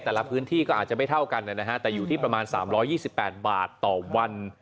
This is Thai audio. แต่ละพื้นที่ก็อาจจะไม่เท่ากันนะฮะแต่อยู่ที่ประมาณ๓๒๘บาทต่อวัน